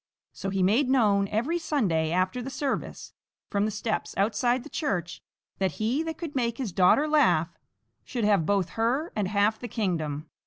So he made known every Sunday after the service, from the steps outside the church, that he that could make his daughter laugh should have both her and half the kingdom.